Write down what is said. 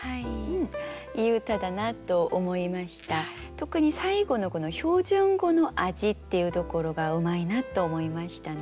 特に最後の「標準語の味」っていうところがうまいなと思いましたね。